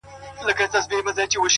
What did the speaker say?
مثبت انسان هیله ژوندۍ ساتي’